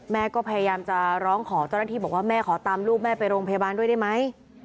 แม่ก็พยายามจะร้องขอเจ้าหน้าที่บอกว่าแม่ขอตามลูกแม่ไปโรงพยาบาลด้วยได้ไหม